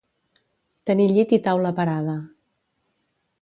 Tenir llit i taula parada.